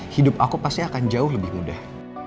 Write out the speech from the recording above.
hidup aku pasti akan jauh lebih mudah